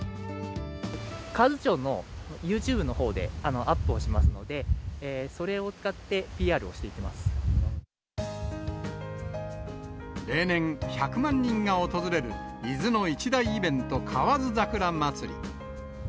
河津町のユーチューブのほうでアップをしますので、それを使例年、１００万人が訪れる伊豆の一大イベント、河津桜まつり。